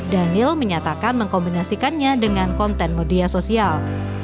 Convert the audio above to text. daniel menyatakan mengkombinasikannya dengan konten media sosial